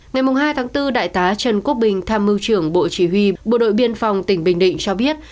ngày hai tháng bốn đại tá trần quốc bình tham mưu trưởng bộ chỉ huy bộ đội biên phòng tỉnh bình định cho biết